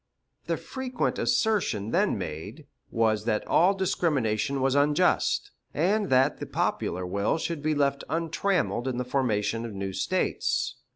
The frequent assertion then made was that all discrimination was unjust, and that the popular will should be left untrammeled in the formation of new States.